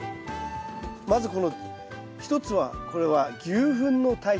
まずこの一つはこれは牛ふんの堆肥。